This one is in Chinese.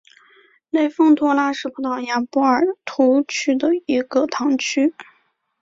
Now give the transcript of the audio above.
雷丰托拉是葡萄牙波尔图区的一个堂区。